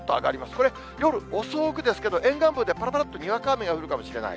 これ、夜遅くですけど、沿岸部でぱらぱらっとにわか雨が降るかもしれない。